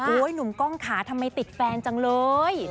หนุ่มกล้องขาทำไมติดแฟนจังเลย